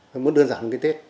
nó muốn đơn giản cái tết